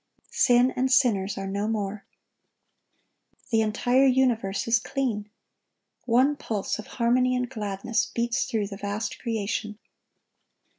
Sin and sinners are no more. The entire universe is clean. One pulse of harmony and gladness beats through the vast creation.